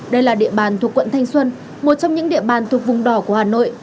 đây là địa bàn thuộc quận thanh xuân một trong những địa bàn thuộc vùng đỏ của hà nội